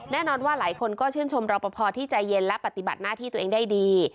แน่นอนว่าหลายคนก็ชื่นชมรอปภที่ใจเย็นและปฏิบัติหน้าที่ตัวเองได้ดี